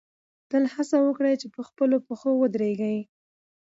تل هڅه وکړئ چې په خپلو پښو ودرېږئ.